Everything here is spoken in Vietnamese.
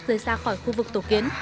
rời xa khỏi khu vực tổ kiến